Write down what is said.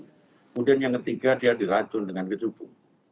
kemudian yang ketiga dia diracun dengan kecubuh